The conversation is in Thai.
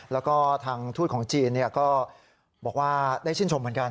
แล้วก็ทางทูตของจีนก็บอกว่าได้ชื่นชมเหมือนกัน